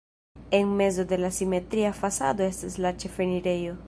En mezo de la simetria fasado estas la ĉefenirejo.